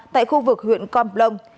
tại khu vực huyện con plong